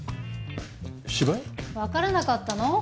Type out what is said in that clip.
わからなかったの？